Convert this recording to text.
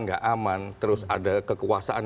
nggak aman terus ada kekuasaan